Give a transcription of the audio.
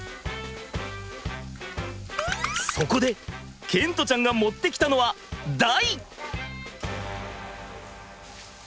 そこで賢澄ちゃんが持ってきたのは台！